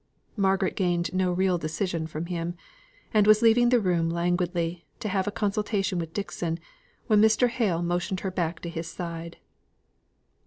Margaret gained no real decision from him; and was leaving the room languidly, to have a consultation with Dixon, when Mr. Hale motioned her back to his side.